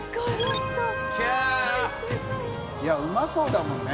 いうまそうだもんね。